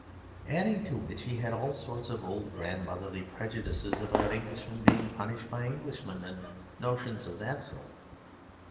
Added to which he had all sorts of old grandmotherly prejudices about Englishmen being punished by Englishmen, and notions of that sort.